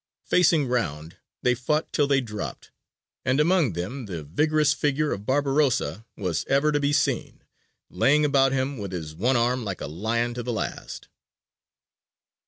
Facing round, they fought till they dropped; and among them the vigorous figure of Barbarossa was ever to be seen, laying about him with his one arm like a lion to the last.